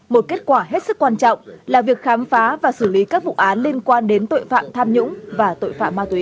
một kết quả hết sức quan trọng là việc khám phá và xử lý các vụ án liên quan đến tội phạm tham nhũng và tội phạm ma túy